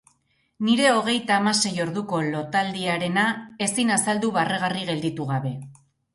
Nire hogeita hamasei orduko lotaldiarena ezin azaldu barregarri gelditu gabe.